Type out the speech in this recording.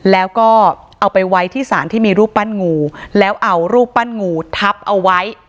แล้วก็เอาไปไว้ที่สารที่มีรูปปั้นงูแล้วเอารูปปั้นงูทับเอาไว้